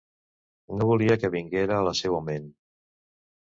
No volia que vinguera a la seua ment.